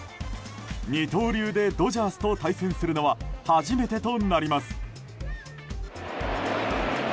二刀流でドジャースと対戦するのは初めてとなります。